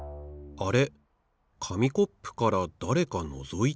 あれ？